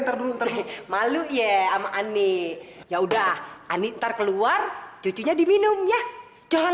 dapet anak kos kurang ajar